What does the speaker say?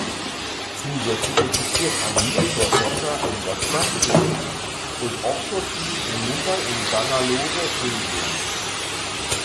Zusätzlich existieren ein Nearshore-Center in Wrocław, Polen und Offshore-Teams in Mumbai und Bangalore, Indien.